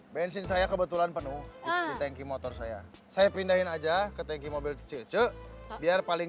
bensin saya kebetulan penuh di tanki motor saya saya pindahin aja ke tanki mobil cilcu biar paling